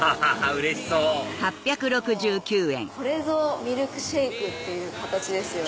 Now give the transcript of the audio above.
うれしそうこれぞミルクシェイク！っていう形ですよね。